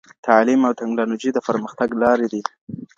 تعلیم او تکنالوژي د پرمختګ لارې دي.